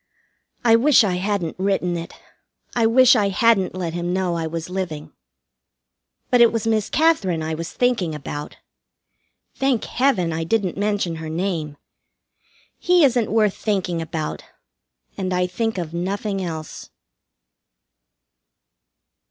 I wish I hadn't written it. I wish I hadn't let him know I was living. But it was Miss Katherine I was thinking about. Thank Heaven, I didn't mention her name! He isn't worth thinking about, and I think of nothing else.